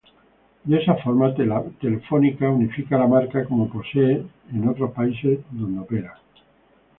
De esa forma Telefónica unifica la marca como posee en otro países donde opera.